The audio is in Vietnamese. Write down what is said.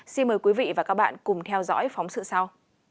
xin mời quý vị và các bạn cùng theo dõi phóng sự sau